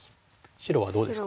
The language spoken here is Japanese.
白はどうですか？